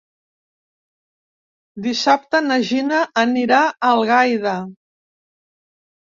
Dissabte na Gina anirà a Algaida.